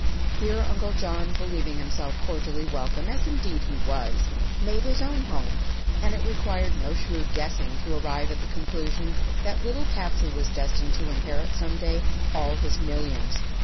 Here Uncle John, believing himself cordially welcome, as indeed he was, made his own home, and it required no shrewd guessing to arrive at the conclusion that little Patsy was destined to inherit some day all his millions.